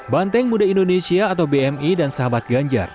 banteng muda indonesia atau bmi dan sahabat ganjar